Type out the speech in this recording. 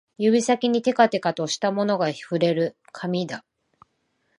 指先にてかてかとしたものが触れる、紙だ